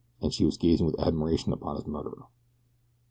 And she was gazing with admiration upon his murderer!